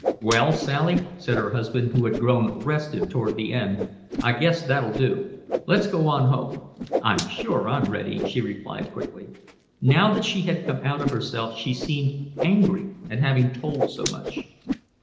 "Well, Sally," said her husband, who had grown restive toward the end, "I guess that'll do. Let's go on home." "I'm sure I'm ready," she quickly replied. Now that she had come out of herself she seemed angry at having told so much.